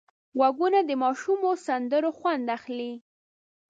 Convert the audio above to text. غوږونه د ماشومو سندرو خوند اخلي